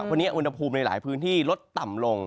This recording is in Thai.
วันนี้อุณหภูมิในหลายพื้นที่ลดต่ำลง